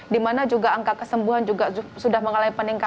di mana juga angka kesembuhan juga sudah mengalami peningkatan